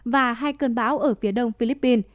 và hai cơn bão ở phía đông philippines